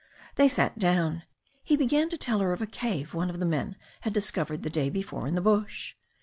They sat down. He began to tell her of a cave one of the men had discovered the day before in the bush.